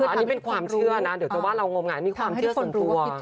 อันนี้เป็นความเชื่อนะเดี๋ยวจะว่าเรางมงายนี่ความเชื่อส่วนตัว